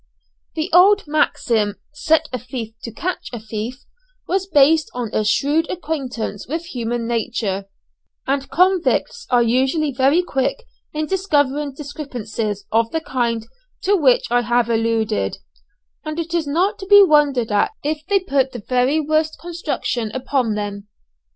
The old maxim, "Set a thief to catch a thief," was based on a shrewd acquaintance with human nature, and convicts are usually very quick in discovering discrepancies of the kind to which I have alluded; and it is not to be wondered at if they put the very worst construction upon them.